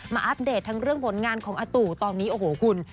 อัปเดตทั้งเรื่องผลงานของอาตู่ตอนนี้โอ้โหคุณ